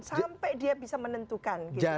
sampai dia bisa menentukan